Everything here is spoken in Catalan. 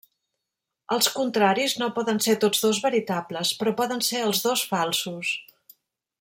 Els contraris, no poden ser tots dos veritables, però poden ser els dos falsos.